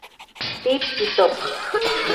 Tip y Top